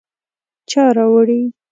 _چا راوړې ؟